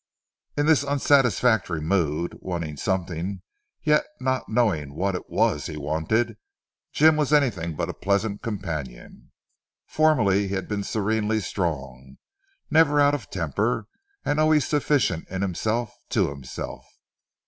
In this unsatisfactory mood, wanting something yet not knowing what it was that he wanted, Jim was anything but a pleasant companion. Formerly he had been serenely strong, never out of temper, and always sufficient in himself to himself.